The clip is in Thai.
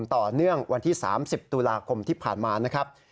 วันที่๓๐ตุลาคมที่ผ่านมานะครับ